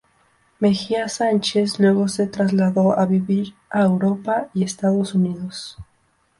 Mejía Sánchez luego se trasladó a vivir a Europa y Estados Unidos.